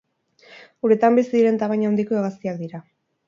Uretan bizi diren tamaina handiko hegaztiak dira.